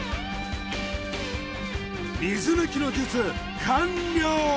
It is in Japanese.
水抜きの術完了！